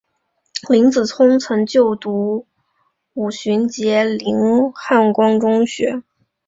林子聪曾就读五旬节林汉光中学。